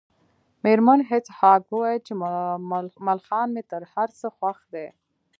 میرمن هیج هاګ وویل چې ملخان مې تر هر څه خوښ دي